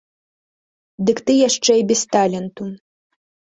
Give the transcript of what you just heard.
Дык ты яшчэ і без таленту!